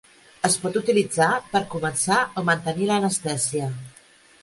Es pot utilitzar per a començar o mantenir l'anestèsia.